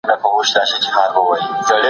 حیات الله د کړکۍ تر شا په خاموشۍ کې ناست دی.